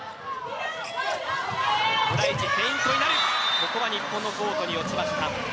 ここは日本のコートに落ちました。